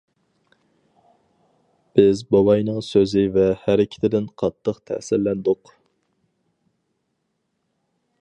بىز بوۋاينىڭ سۆزى ۋە ھەرىكىتىدىن قاتتىق تەسىرلەندۇق.